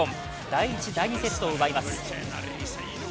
第１、第２セットを奪います。